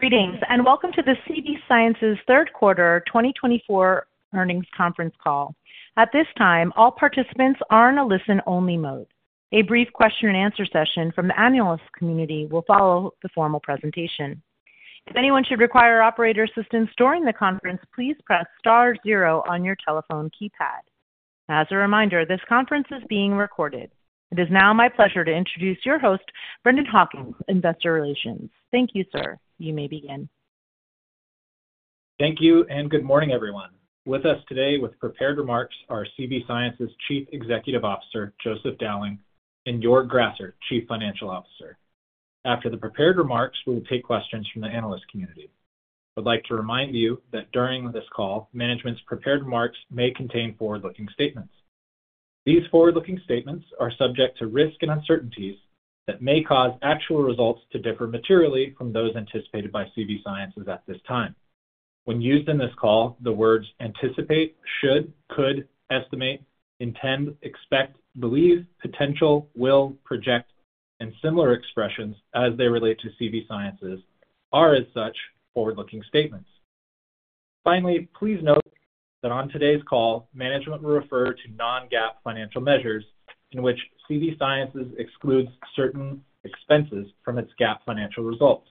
Greetings and welcome to the CV Sciences Third Quarter 2024 Earnings Conference Call. At this time, all participants are in a listen-only mode. A brief question-and-answer session from the analyst community will follow the formal presentation. If anyone should require operator assistance during the conference, please press star zero on your telephone keypad. As a reminder, this conference is being recorded. It is now my pleasure to introduce your host, Brendan Hawkins, Investor Relations. Thank you, sir. You may begin. Thank you and good morning, everyone. With us today with prepared remarks are CV Sciences Chief Executive Officer, Joseph Dowling, and Joerg Grasser, Chief Financial Officer. After the prepared remarks, we will take questions from the analyst community. I would like to remind you that during this call, management's prepared remarks may contain forward-looking statements. These forward-looking statements are subject to risk and uncertainties that may cause actual results to differ materially from those anticipated by CV Sciences at this time. When used in this call, the words anticipate, should, could, estimate, intend, expect, believe, potential, will, project, and similar expressions as they relate to CV Sciences are as such forward-looking statements. Finally, please note that on today's call, management will refer to non-GAAP financial measures in which CV Sciences excludes certain expenses from its GAAP financial results.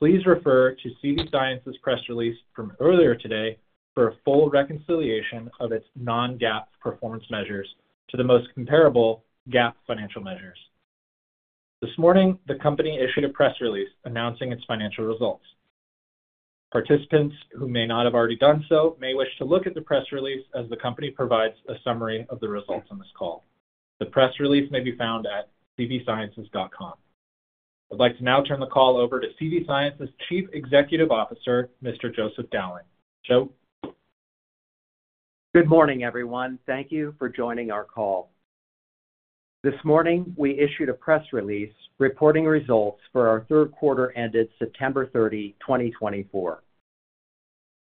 Please refer to CV Sciences' press release from earlier today for a full reconciliation of its non-GAAP performance measures to the most comparable GAAP financial measures. This morning, the company issued a press release announcing its financial results. Participants who may not have already done so may wish to look at the press release as the company provides a summary of the results in this call. The press release may be found at cvsciences.com. I'd like to now turn the call over to CV Sciences Chief Executive Officer, Mr. Joseph Dowling. Joe? Good morning, everyone. Thank you for joining our call. This morning, we issued a press release reporting results for our third quarter ended September 30, 2024.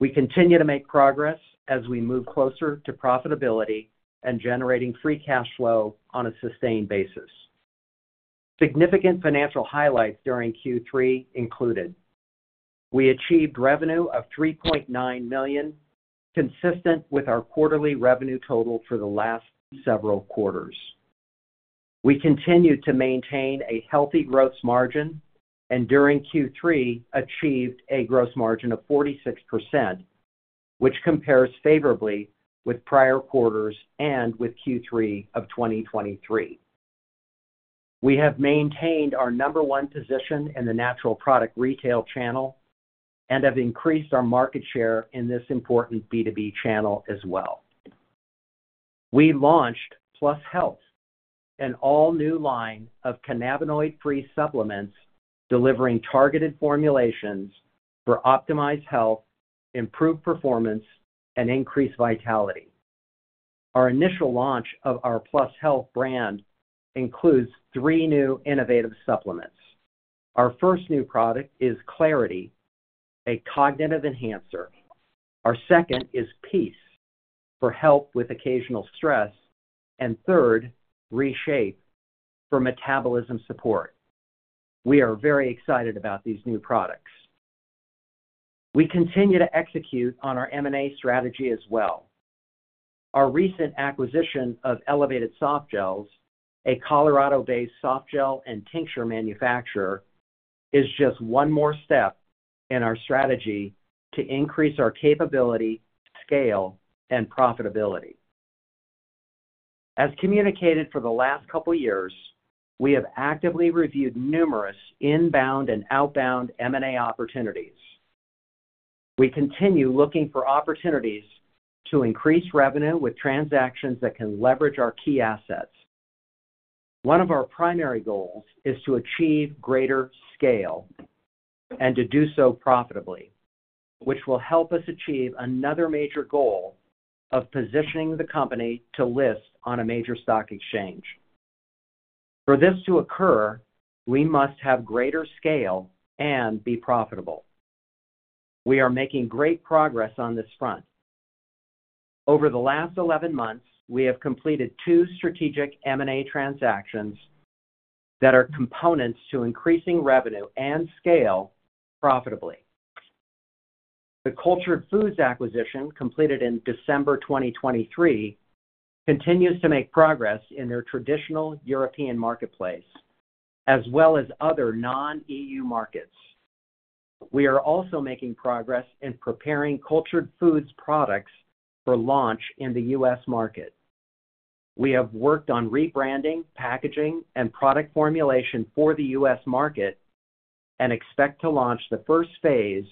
We continue to make progress as we move closer to profitability and generating free cash flow on a sustained basis. Significant financial highlights during Q3 included: we achieved revenue of $3.9 million, consistent with our quarterly revenue total for the last several quarters. We continue to maintain a healthy gross margin, and during Q3, achieved a gross margin of 46%, which compares favorably with prior quarters and with Q3 of 2023. We have maintained our number one position in the natural product retail channel and have increased our market share in this important B2B channel as well. We launched Plus Health, an all-new line of cannabinoid-free supplements delivering targeted formulations for optimized health, improved performance, and increased vitality. Our initial launch of our Plus Health brand includes three new innovative supplements. Our first new product is Clarity, a cognitive enhancer. Our second is Peace for help with occasional stress, and third, ReShape for metabolism support. We are very excited about these new products. We continue to execute on our M&A strategy as well. Our recent acquisition of Elevated Softgels, a Colorado-based soft gel and tincture manufacturer, is just one more step in our strategy to increase our capability, scale, and profitability. As communicated for the last couple of years, we have actively reviewed numerous inbound and outbound M&A opportunities. We continue looking for opportunities to increase revenue with transactions that can leverage our key assets. One of our primary goals is to achieve greater scale and to do so profitably, which will help us achieve another major goal of positioning the company to list on a major stock exchange. For this to occur, we must have greater scale and be profitable. We are making great progress on this front. Over the last 11 months, we have completed two strategic M&A transactions that are components to increasing revenue and scale profitably. The Cultured Foods acquisition completed in December 2023 continues to make progress in their traditional European marketplace, as well as other non-EU markets. We are also making progress in preparing Cultured Foods products for launch in the U.S. market. We have worked on rebranding, packaging, and product formulation for the U.S. market and expect to launch the first phase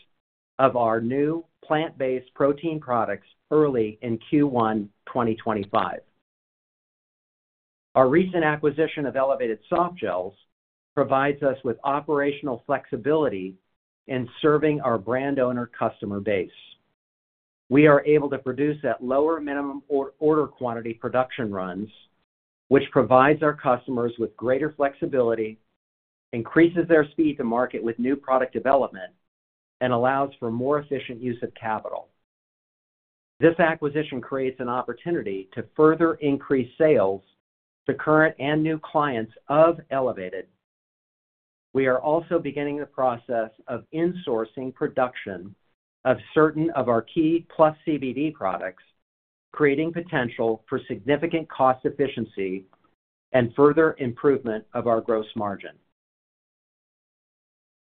of our new plant-based protein products early in Q1 2025. Our recent acquisition of Elevated Softgels provides us with operational flexibility in serving our brand owner customer base. We are able to produce at lower minimum order quantity production runs, which provides our customers with greater flexibility, increases their speed to market with new product development, and allows for more efficient use of capital. This acquisition creates an opportunity to further increase sales to current and new clients of Elevated. We are also beginning the process of insourcing production of certain of our key PlusCBD products, creating potential for significant cost efficiency and further improvement of our gross margin.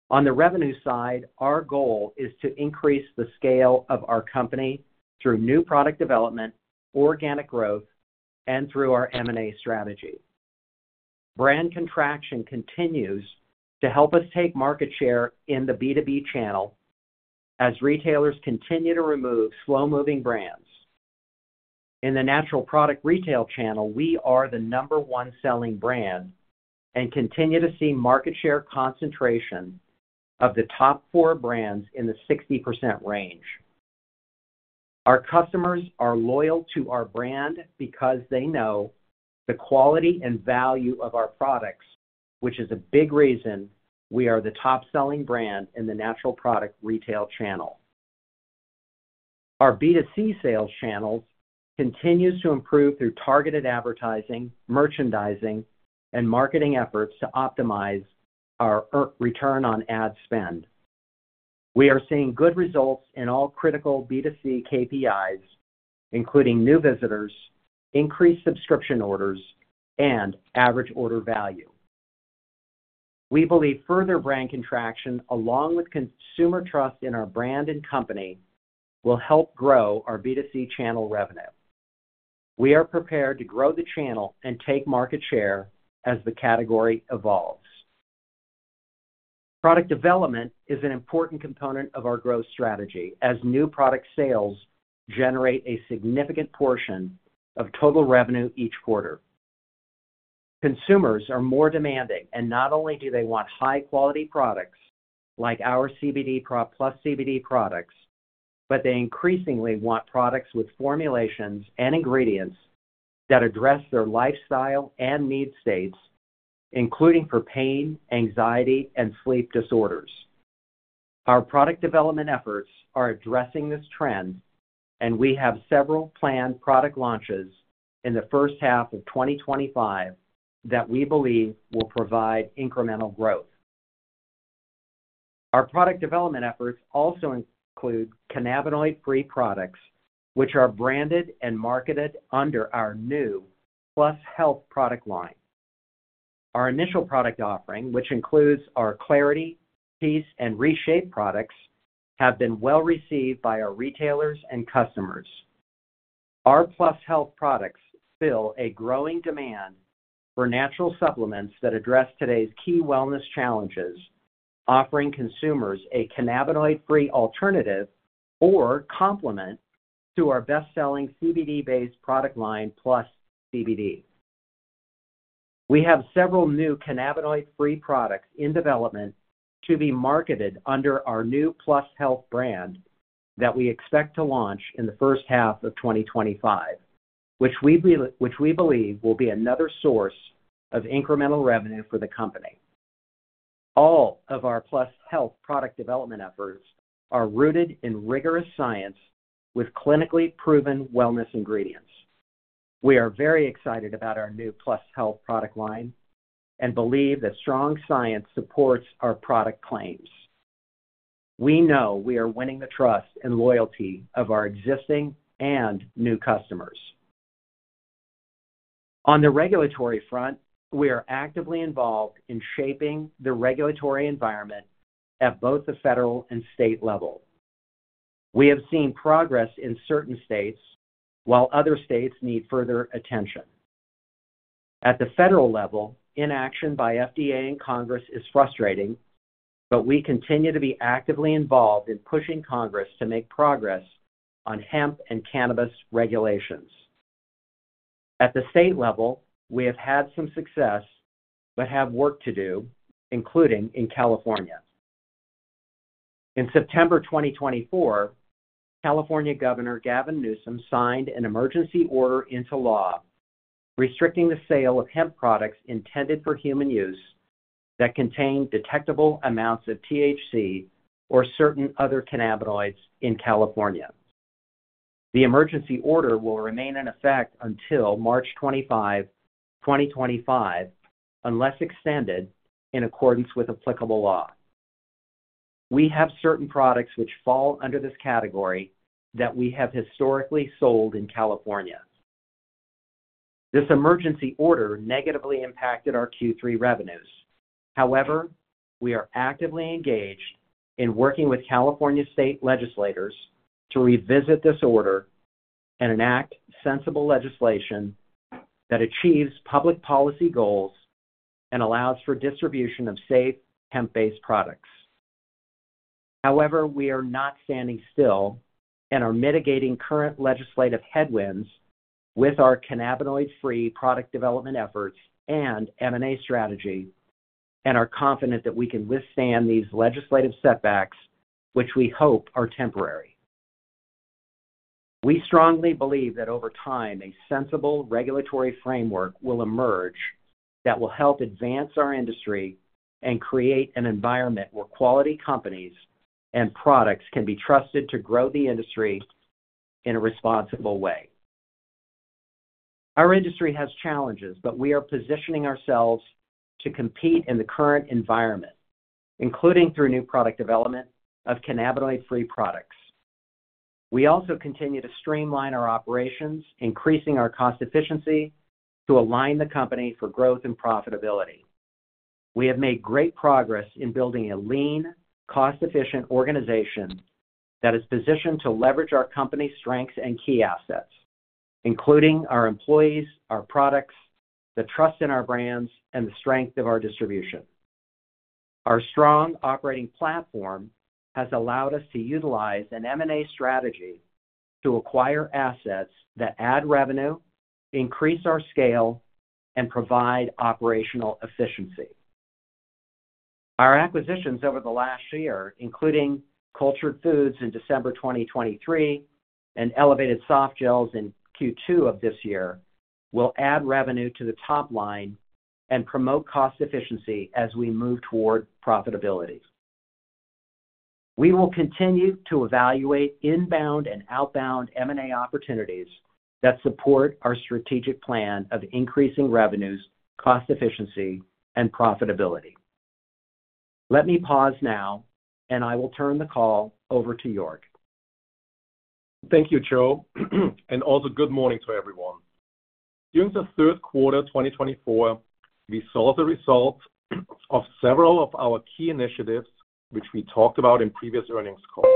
On the revenue side, our goal is to increase the scale of our company through new product development, organic growth, and through our M&A strategy. Brand contraction continues to help us take market share in the B2B channel as retailers continue to remove slow-moving brands. In the natural product retail channel, we are the number one selling brand and continue to see market share concentration of the top four brands in the 60% range. Our customers are loyal to our brand because they know the quality and value of our products, which is a big reason we are the top-selling brand in the natural product retail channel. Our B2C sales channels continue to improve through targeted advertising, merchandising, and marketing efforts to optimize our return on ad spend. We are seeing good results in all critical B2C KPIs, including new visitors, increased subscription orders, and average order value. We believe further brand contraction, along with consumer trust in our brand and company, will help grow our B2C channel revenue. We are prepared to grow the channel and take market share as the category evolves. Product development is an important component of our growth strategy as new product sales generate a significant portion of total revenue each quarter. Consumers are more demanding, and not only do they want high-quality products like our Plus CBD products, but they increasingly want products with formulations and ingredients that address their lifestyle and need states, including for pain, anxiety, and sleep disorders. Our product development efforts are addressing this trend, and we have several planned product launches in the first half of 2025 that we believe will provide incremental growth. Our product development efforts also include cannabinoid-free products, which are branded and marketed under our new Plus Health product line. Our initial product offering, which includes our Clarity, Peace, and Reshape products, has been well received by our retailers and customers. Our Plus Health products fill a growing demand for natural supplements that address today's key wellness challenges, offering consumers a cannabinoid-free alternative or complement to our best-selling CBD-based product line, Plus CBD. We have several new cannabinoid-free products in development to be marketed under our new Plus Health brand that we expect to launch in the first half of 2025, which we believe will be another source of incremental revenue for the company. All of our Plus Health product development efforts are rooted in rigorous science with clinically proven wellness ingredients. We are very excited about our new Plus Health product line and believe that strong science supports our product claims. We know we are winning the trust and loyalty of our existing and new customers. On the regulatory front, we are actively involved in shaping the regulatory environment at both the federal and state level. We have seen progress in certain states while other states need further attention. At the federal level, inaction by FDA and Congress is frustrating, but we continue to be actively involved in pushing Congress to make progress on hemp and cannabis regulations. At the state level, we have had some success but have work to do, including in California. In September 2024, California Governor Gavin Newsom signed an emergency order into law restricting the sale of hemp products intended for human use that contain detectable amounts of THC or certain other cannabinoids in California. The emergency order will remain in effect until March 25, 2025, unless extended in accordance with applicable law. We have certain products which fall under this category that we have historically sold in California. This emergency order negatively impacted our Q3 revenues. However, we are actively engaged in working with California state legislators to revisit this order and enact sensible legislation that achieves public policy goals and allows for distribution of safe hemp-based products. However, we are not standing still and are mitigating current legislative headwinds with our cannabinoid-free product development efforts and M&A strategy, and are confident that we can withstand these legislative setbacks, which we hope are temporary. We strongly believe that over time, a sensible regulatory framework will emerge that will help advance our industry and create an environment where quality companies and products can be trusted to grow the industry in a responsible way. Our industry has challenges, but we are positioning ourselves to compete in the current environment, including through new product development of cannabinoid-free products. We also continue to streamline our operations, increasing our cost efficiency to align the company for growth and profitability. We have made great progress in building a lean, cost-efficient organization that is positioned to leverage our company's strengths and key assets, including our employees, our products, the trust in our brands, and the strength of our distribution. Our strong operating platform has allowed us to utilize an M&A strategy to acquire assets that add revenue, increase our scale, and provide operational efficiency. Our acquisitions over the last year, including Cultured Foods in December 2023 and Elevated Softgels in Q2 of this year, will add revenue to the top line and promote cost efficiency as we move toward profitability. We will continue to evaluate inbound and outbound M&A opportunities that support our strategic plan of increasing revenues, cost efficiency, and profitability. Let me pause now, and I will turn the call over to Joerg. Thank you, Joe, and also good morning to everyone. During the third quarter of 2024, we saw the results of several of our key initiatives, which we talked about in previous earnings calls.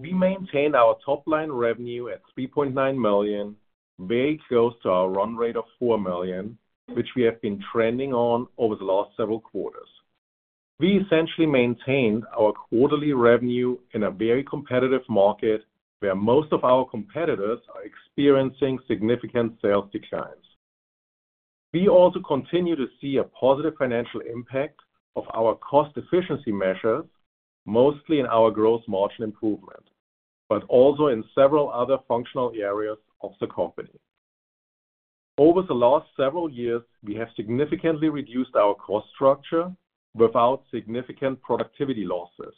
We maintained our top-line revenue at $3.9 million, very close to our run rate of $4 million, which we have been trending on over the last several quarters. We essentially maintained our quarterly revenue in a very competitive market where most of our competitors are experiencing significant sales declines. We also continue to see a positive financial impact of our cost efficiency measures, mostly in our gross margin improvement, but also in several other functional areas of the company. Over the last several years, we have significantly reduced our cost structure without significant productivity losses,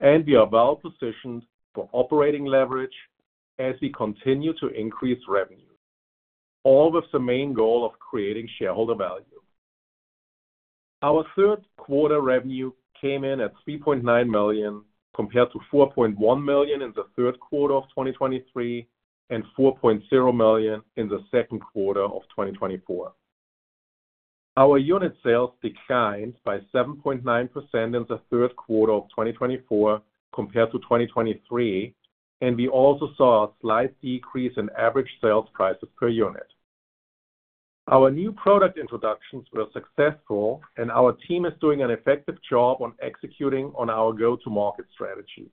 and we are well positioned for operating leverage as we continue to increase revenue, all with the main goal of creating shareholder value. Our third quarter revenue came in at $3.9 million compared to $4.1 million in the third quarter of 2023 and $4.0 million in the second quarter of 2024. Our unit sales declined by 7.9% in the third quarter of 2024 compared to 2023, and we also saw a slight decrease in average sales prices per unit. Our new product introductions were successful, and our team is doing an effective job on executing on our go-to-market strategy.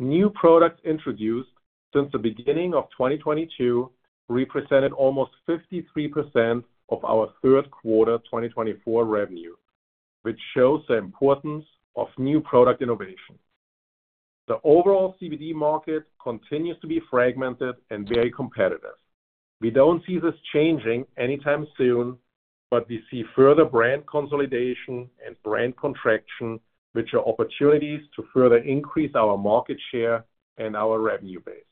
New products introduced since the beginning of 2022 represented almost 53% of our third quarter 2024 revenue, which shows the importance of new product innovation. The overall CBD market continues to be fragmented and very competitive. We don't see this changing anytime soon, but we see further brand consolidation and brand contraction, which are opportunities to further increase our market share and our revenue base.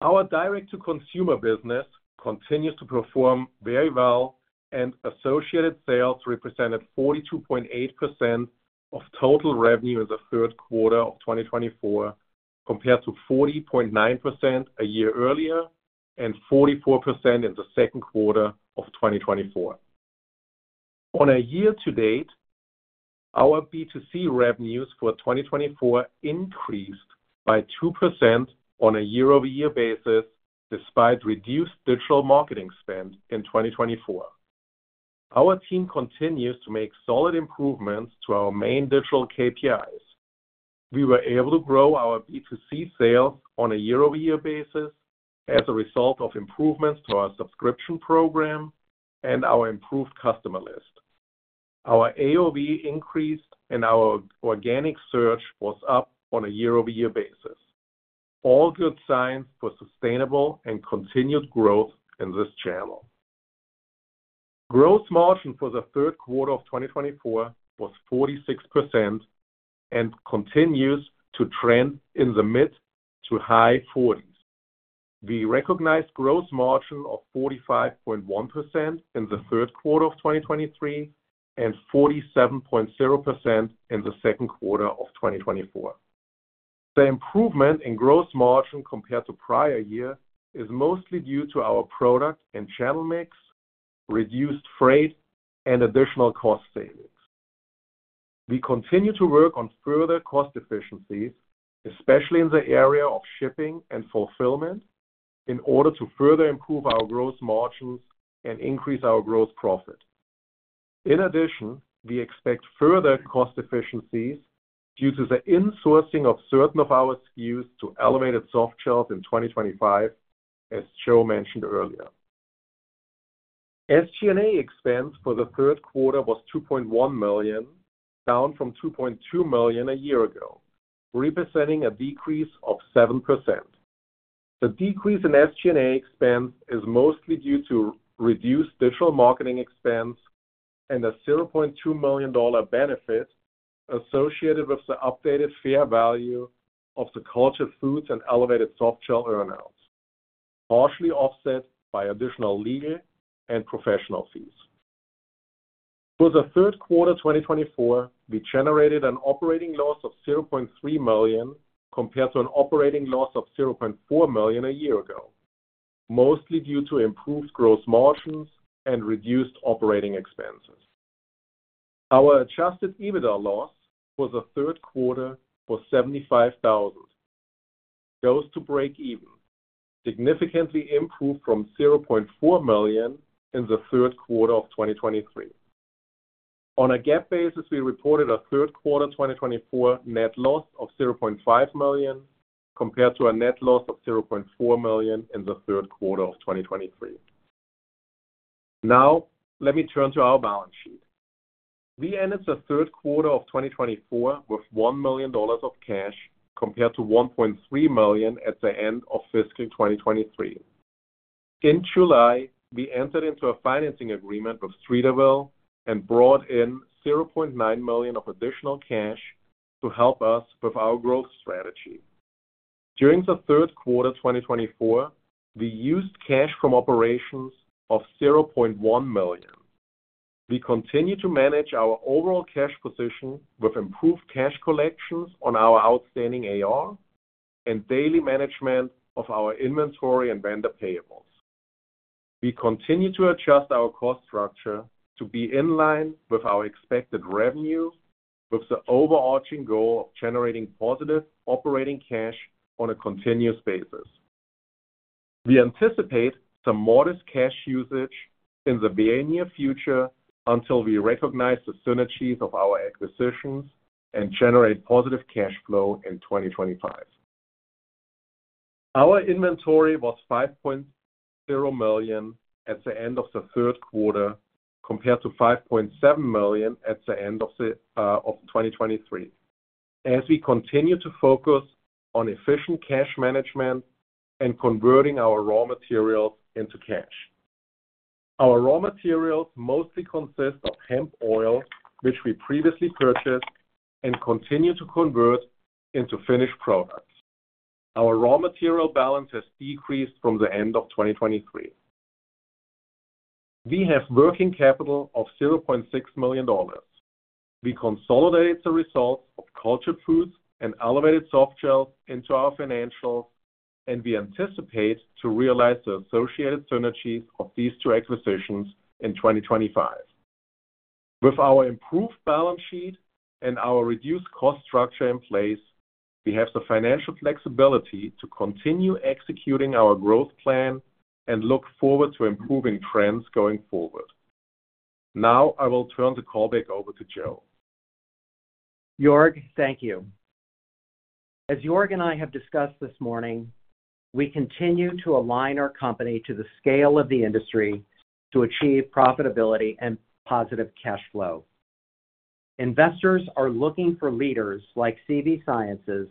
Our direct-to-consumer business continues to perform very well, and associated sales represented 42.8% of total revenue in the third quarter of 2024 compared to 40.9% a year earlier and 44% in the second quarter of 2024. On a year-to-date, our B2C revenues for 2024 increased by 2% on a year-over-year basis despite reduced digital marketing spend in 2024. Our team continues to make solid improvements to our main digital KPIs. We were able to grow our B2C sales on a year-over-year basis as a result of improvements to our subscription program and our improved customer list. Our AOV increased and our organic search was up on a year-over-year basis. All good signs for sustainable and continued growth in this channel. Gross margin for the third quarter of 2024 was 46% and continues to trend in the mid to high 40s. We recognized gross margin of 45.1% in the third quarter of 2023 and 47.0% in the second quarter of 2024. The improvement in gross margin compared to prior year is mostly due to our product and channel mix, reduced freight, and additional cost savings. We continue to work on further cost efficiencies, especially in the area of shipping and fulfillment, in order to further improve our gross margins and increase our gross profit. In addition, we expect further cost efficiencies due to the insourcing of certain of our SKUs to Elevated Softgels in 2025, as Joerg mentioned earlier. SG&A expense for the third quarter was $2.1 million, down from $2.2 million a year ago, representing a decrease of 7%. The decrease in SG&A expense is mostly due to reduced digital marketing expense and a $0.2 million benefit associated with the updated fair value of the Cultured Foods and Elevated Softgels earn-outs, partially offset by additional legal and professional fees. For the third quarter 2024, we generated an operating loss of $0.3 million compared to an operating loss of $0.4 million a year ago, mostly due to improved gross margins and reduced operating expenses. Our adjusted EBITDA loss for the third quarter was $75,000, close to break-even, significantly improved from $0.4 million in the third quarter of 2023. On a GAAP basis, we reported a third quarter 2024 net loss of $0.5 million compared to a net loss of $0.4 million in the third quarter of 2023. Now, let me turn to our balance sheet. We ended the third quarter of 2024 with $1 million of cash compared to $1.3 million at the end of fiscal 2023. In July, we entered into a financing agreement with Streeterville and brought in $0.9 million of additional cash to help us with our growth strategy. During the third quarter 2024, we used cash from operations of $0.1 million. We continue to manage our overall cash position with improved cash collections on our outstanding AR and daily management of our inventory and vendor payables. We continue to adjust our cost structure to be in line with our expected revenue, with the overarching goal of generating positive operating cash on a continuous basis. We anticipate some modest cash usage in the very near future until we recognize the synergies of our acquisitions and generate positive cash flow in 2025. Our inventory was $5.0 million at the end of the third quarter compared to $5.7 million at the end of 2023, as we continue to focus on efficient cash management and converting our raw materials into cash. Our raw materials mostly consist of hemp oil, which we previously purchased and continue to convert into finished products. Our raw material balance has decreased from the end of 2023. We have working capital of $0.6 million. We consolidated the results of Cultured Foods and Elevated Softgels into our financials, and we anticipate to realize the associated synergies of these two acquisitions in 2025. With our improved balance sheet and our reduced cost structure in place, we have the financial flexibility to continue executing our growth plan and look forward to improving trends going forward. Now, I will turn the call back over to Joe. Joerg, thank you. As Joerg and I have discussed this morning, we continue to align our company to the scale of the industry to achieve profitability and positive cash flow. Investors are looking for leaders like CV Sciences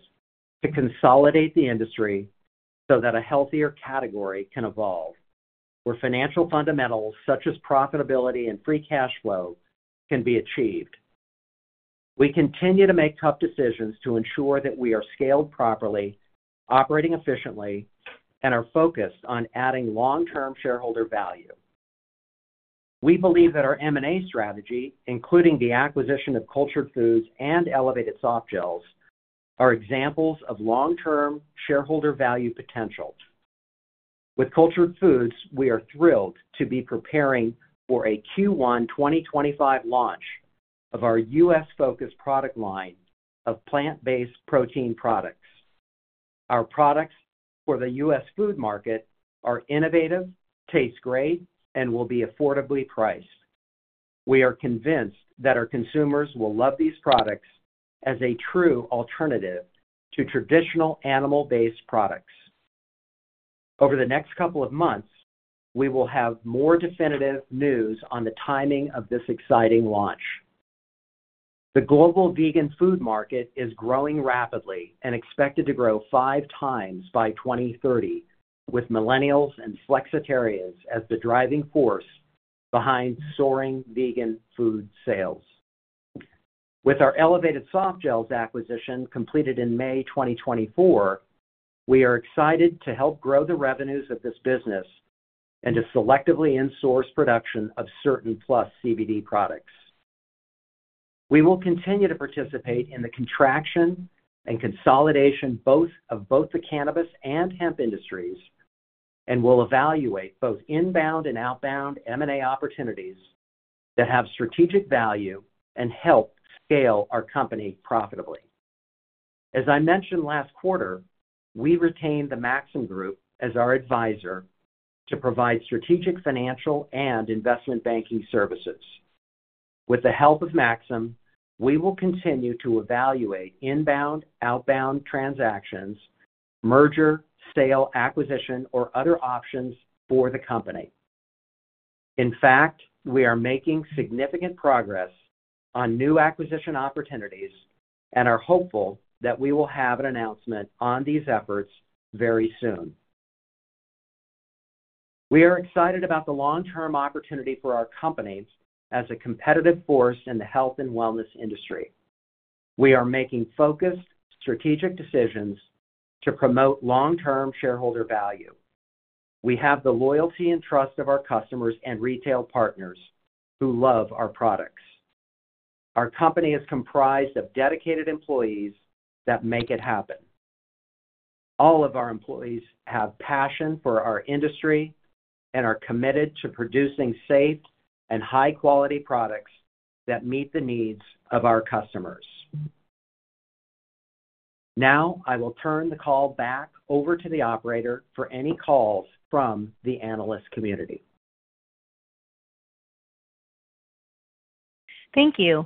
to consolidate the industry so that a healthier category can evolve, where financial fundamentals such as profitability and free cash flow can be achieved. We continue to make tough decisions to ensure that we are scaled properly, operating efficiently, and are focused on adding long-term shareholder value. We believe that our M&A strategy, including the acquisition of Cultured Foods and Elevated Softgels, are examples of long-term shareholder value potential. With Cultured Foods, we are thrilled to be preparing for a Q1 2025 launch of our U.S.-focused product line of plant-based protein products. Our products for the U.S. food market are innovative, taste great, and will be affordably priced. We are convinced that our consumers will love these products as a true alternative to traditional animal-based products. Over the next couple of months, we will have more definitive news on the timing of this exciting launch. The global vegan food market is growing rapidly and expected to grow five times by 2030, with millennials and flexitarians as the driving force behind soaring vegan food sales. With our Elevated Softgels acquisition completed in May 2024, we are excited to help grow the revenues of this business and to selectively insource production of certain Plus CBD products. We will continue to participate in the contraction and consolidation of both the cannabis and hemp industries and will evaluate both inbound and outbound M&A opportunities that have strategic value and help scale our company profitably. As I mentioned last quarter, we retained the Maxim Group as our advisor to provide strategic financial and investment banking services. With the help of Maxim, we will continue to evaluate inbound/outbound transactions, merger, sale, acquisition, or other options for the company. In fact, we are making significant progress on new acquisition opportunities and are hopeful that we will have an announcement on these efforts very soon. We are excited about the long-term opportunity for our company as a competitive force in the health and wellness industry. We are making focused, strategic decisions to promote long-term shareholder value. We have the loyalty and trust of our customers and retail partners who love our products. Our company is comprised of dedicated employees that make it happen. All of our employees have passion for our industry and are committed to producing safe and high-quality products that meet the needs of our customers. Now, I will turn the call back over to the operator for any calls from the analyst community. Thank you.